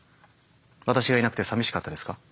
私がいなくてさみしかったですか？